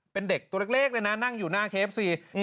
เป็นเด็กตัวเล็กเลยนะนั่งอยู่หน้าเคฟซี